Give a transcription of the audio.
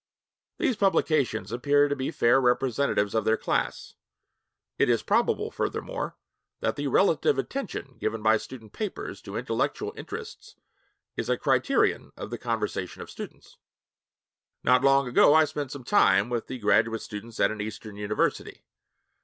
These publications appear to be fair representatives of their class. It is probable, furthermore, that the relative attention given by the student papers to intellectual interests is a criterion of the conversation of students. Not long ago, I spent some time with the graduate students at an Eastern university.